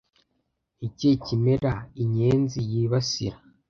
Ni ikihe kimera inyenzi yibasira